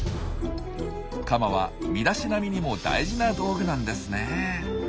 カマは身だしなみにも大事な道具なんですね。